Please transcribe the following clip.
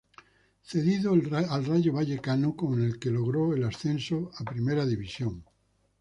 Cedido al Rayo Vallecano con el que logró el ascenso a Primera División.